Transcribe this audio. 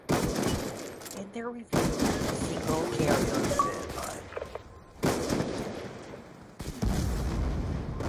In their review of the single, Kerrang!